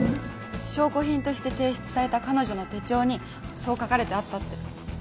証拠品として提出された彼女の手帳にそう書かれてあったって。